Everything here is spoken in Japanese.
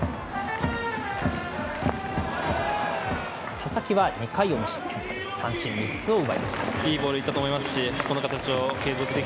佐々木は２回を無失点、三振３つを奪いました。